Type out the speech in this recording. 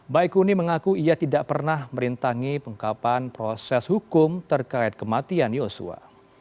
baikuni mengaku ia tidak pernah merintangi pengkapan proses hukum terkait kematian yosua